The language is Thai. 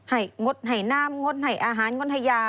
ห่ายงดห่ายน้ำห่ายงดห่ายอาหารห่ายงดห่ายยา